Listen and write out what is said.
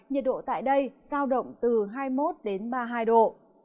nhiệt độ tại đây sao động từ hai mươi một ba mươi hai độ